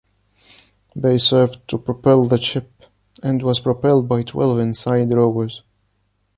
They served to propel the ship, and was propelled by twelve inside rowers.